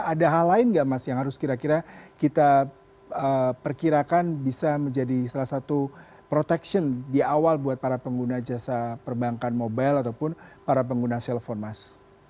ada hal lain nggak mas yang harus kira kira kita perkirakan bisa menjadi salah satu protection di awal buat para pengguna jasa perbankan mobile ataupun para pengguna telepon mas